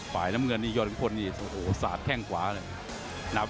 ฝ่ายน้ำเงินนี่ยอดขุนพลนี่โอ้โหสาดแข้งขวาเลย